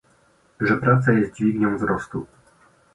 że praca jest dźwignią wzrostu